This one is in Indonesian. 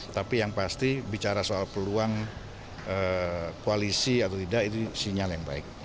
tapi yang pasti bicara soal peluang koalisi atau tidak itu sinyal yang baik